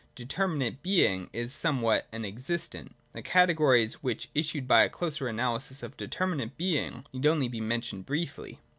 Determinate Being is a some what, an existent. — The categories, which issue by a closer analysis of Determinate Being, need only be mentioned briefly.